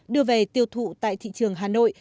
đưa về tiêu thụ tại thị trường hà nội